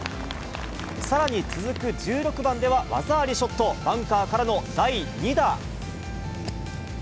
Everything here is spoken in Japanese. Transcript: さらに続く１６番では、技ありショット、バンカーからの第２打。